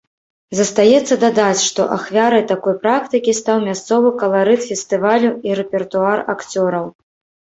Застаецца дадаць, што ахвярай такой практыкі стаў мясцовы каларыт фестывалю і рэпертуар акцёраў.